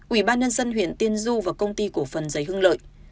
ủy ban nhân dân huyện tiên du và công ty cổ phần giấy hương lợi